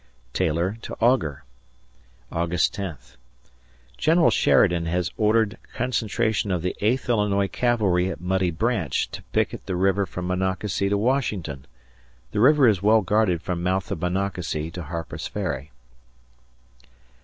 [Taylor to Augur] August 10th. General Sheridan has ordered concentration of the Eighth Illinois Cavalry at Muddy Branch to picket the river from Monocacy to Washington. The river is well guarded from mouth of Monocacy to Harper's Ferry.